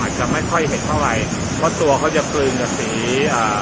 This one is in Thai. จะไม่ค่อยเห็นเท่าไหร่เพราะตัวเขาจะกลืนกับสีอ่า